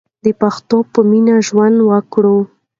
د پښتو په مینه ژوند وکړو.